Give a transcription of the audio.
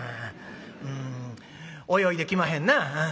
うん泳いできまへんな。